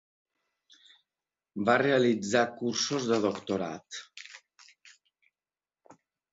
Va realitzar cursos de doctorat.